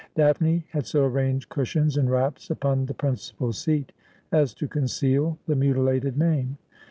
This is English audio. Daphne had so arranged cushions and wraps upon the principal seat as to conceal the mutilated name.